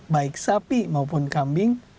baik sapi maupun kambing